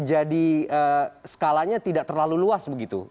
jadi skalanya tidak terlalu luas begitu